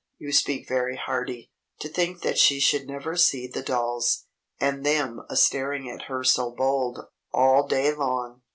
"You speak very hearty. To think that she should never see the dolls and them a staring at her so bold, all day long!